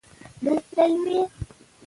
که ارزونه وي نو کمزوري نه پټیږي.